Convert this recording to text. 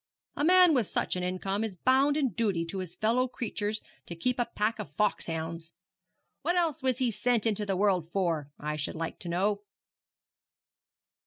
A man with such an income is bound in duty to his fellow creatures to keep a pack of foxhounds. What else was he sent into the world for, I should like to know?'